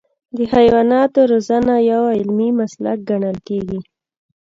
د حیواناتو روزنه یو علمي مسلک ګڼل کېږي.